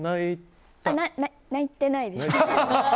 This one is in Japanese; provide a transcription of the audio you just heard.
泣いてないです。